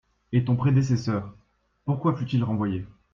Et ton prédécesseur, pourquoi fut-il renvoyé ?